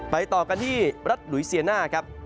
ต่อกันที่รัฐหลุยเซียน่าครับ